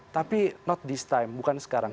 tapi not this time bukan sekarang